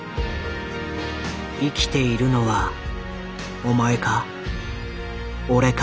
生きているのはお前か俺か？